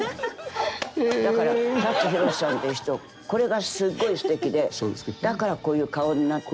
だから舘ひろしさんっていう人これがすっごいすてきでだからこういう顔になって。